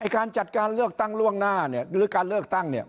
การจัดการเลือกตั้งล่วงหน้าเนี่ยหรือการเลือกตั้งเนี่ย